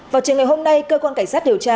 vào trường ngày hôm nay cơ quan cảnh sát điều tra